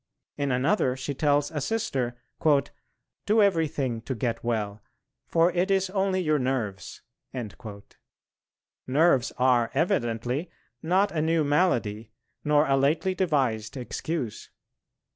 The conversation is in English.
In another she tells a Sister, "do everything to get well, for it is only your nerves." Nerves are evidently not a new malady nor a lately devised excuse.